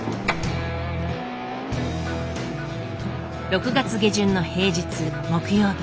６月下旬の平日木曜日。